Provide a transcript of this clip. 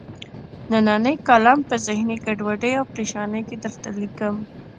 نننۍ کالم په ذهني ګډوډۍ او پریشانۍ کې درته لیکم.